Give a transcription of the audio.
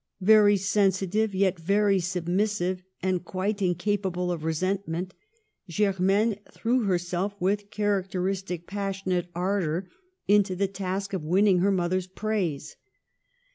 Very sensitive, yet very submissive, and quite incapa ble of resentment, Germaine threw herself with characteristic passionate ardor into the task of winning her mother's praise.